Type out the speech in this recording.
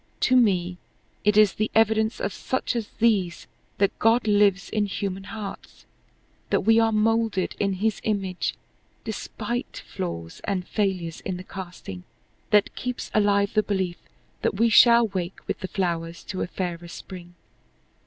To me it is the evidence of such as these that God lives in human hearts that we are molded in his image despite flaws and failures in the casting that keeps alive the belief that we shall wake with the flowers to a fairer spring.